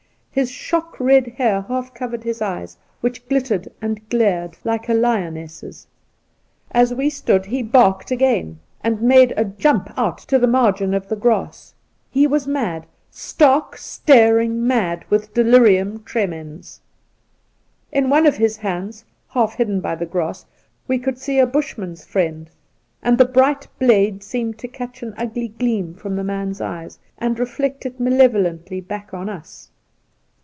His shock red hair half covered his eyes, which glittered and glared like a lioness's. As we stood he barked again, and made a jump out to the margin of the grass. He was mad — stark, staring mad — with delirium tremens ! In one of his hands, half hidden by the grass, we could see a Bushman's friend, and the bright blade seemed to catch an ugly gleam from the man's eyes and reflect it malevolently back on us.